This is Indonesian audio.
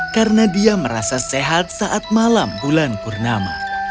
karena dia merasa sehat saat malam bulan purnam